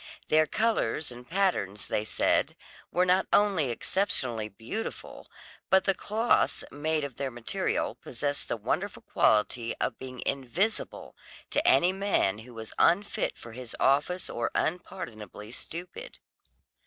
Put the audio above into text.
Their colours and patterns, they said, were not only exceptionally beautiful, but the clothes made of their material possessed the wonderful quality of being invisible to any man who was unfit for his office or unpardonably stupid.